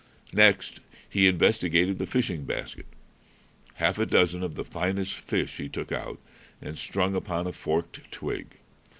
Next he investigated the fishing basket. Half a dozen of the finest fish he took out and strung upon a forked twig.